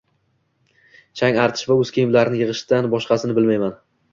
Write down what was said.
chang artish va o‘z kiyimlarini yig‘ishdan boshqasini bilmayman.